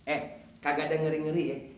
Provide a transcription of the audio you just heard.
eh kagak ada ngeri ngeri ya